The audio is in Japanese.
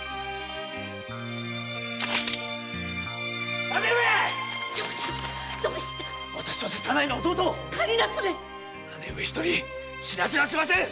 義姉上一人死なせはしません！